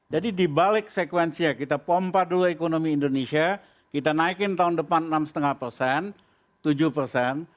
jadi dibalik sekuensinya kita pompa dulu ekonomi indonesia kita naikin tahun depan enam lima persen tujuh persen